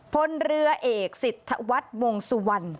พลเรือเอกสิทธวัฒน์วงสุวรรณ